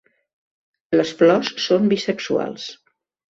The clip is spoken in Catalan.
Les flors són bisexuals.